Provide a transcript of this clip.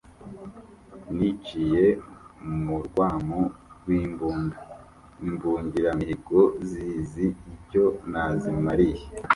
Niciye mu rwamu rw'imbunda, imbungiramihigo zizi icyo nazimaliye.